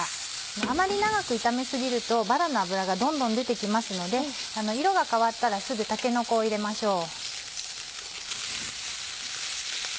あまり長く炒め過ぎるとバラの脂がどんどん出てきますので色が変わったらすぐたけのこを入れましょう。